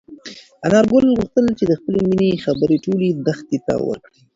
انارګل غوښتل چې د خپلې مېنې خبر ټولې دښتې ته ورکړي.